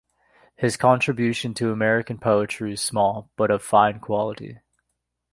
His contribution to American poetry is small but of fine quality.